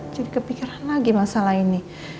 jadi kepikiran lagi masalah ini